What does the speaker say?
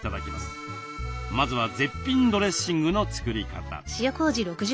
まずは絶品ドレッシングの作り方。